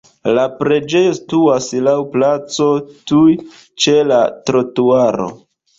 La preĝejo situas laŭ placo tuj ĉe la trotuaro.